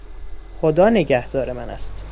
خدا نگهدار من است.